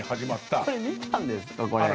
これ見たんですか？